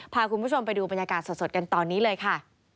พาคุณผู้ชมไปดูบรรยากาศสดกันตอนนี้เลยค่ะ